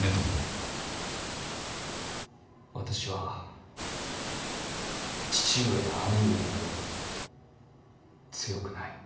私は父上や兄上のように強くない。